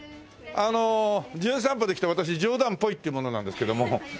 あの『じゅん散歩』で来た私「冗談っぽい」っていう者なんですけども。